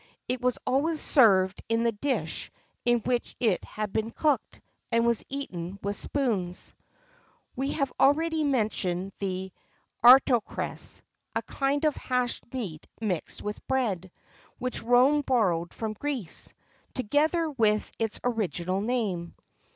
It was always served in the dish in which it had been cooked, and was eaten with spoons.[XXIV 17] We have already mentioned the Artocreas, a kind of hashed meat mixed with bread, which Rome borrowed from Greece, together with its original name.